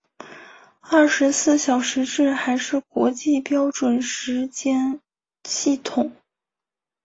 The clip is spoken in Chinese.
二十四小时制还是国际标准时间系统。